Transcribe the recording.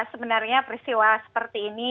sebenarnya peristiwa seperti ini